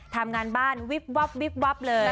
ทำงานบ้านวิบวับเลย